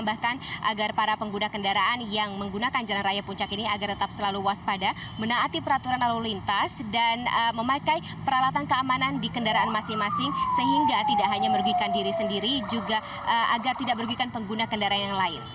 bahkan agar para pengguna kendaraan yang menggunakan jalan raya puncak ini agar tetap selalu waspada menaati peraturan lalu lintas dan memakai peralatan keamanan di kendaraan masing masing sehingga tidak hanya merugikan diri sendiri juga agar tidak merugikan pengguna kendaraan yang lain